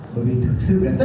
cái thứ hai là